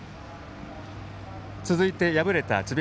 続いて敗れた智弁